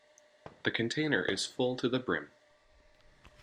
The container is full to the brim.